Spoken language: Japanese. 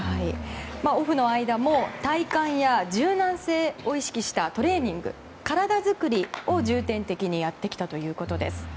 オフの間も体幹や柔軟性を意識したトレーニング、体づくりを重点的にやってきたということです。